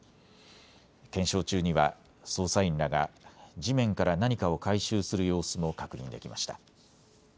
検証中には捜査員らが地面から何かを回収する様子も確認できました。